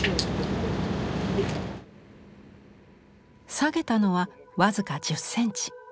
下げたのは僅か１０センチ。